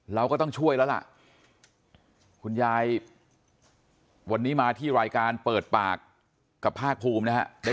เราก็ต้องช่วยแล้วล่ะคุณยายวันนี้มาที่รายการเปิดปากกับภาคภูมินะฮะ